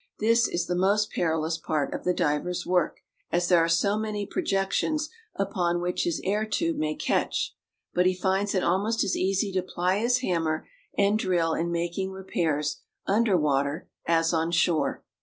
This is the most perilous part of the diver's work, as there are so many projections upon which his air tube may catch; but he finds it almost as easy to ply his hammer and drill in making repairs under water as on shore.